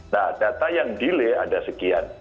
nah data yang delay ada sekian